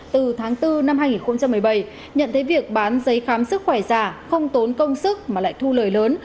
từ tháng bốn năm hai nghìn một mươi bảy nhận thấy việc bán giấy khám sức khỏe giả không tốn công sức mà lại thu lời lớn